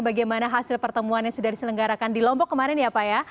bagaimana hasil pertemuan yang sudah diselenggarakan di lombok kemarin ya pak ya